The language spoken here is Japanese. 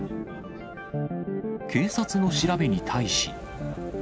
警察の調べに対し。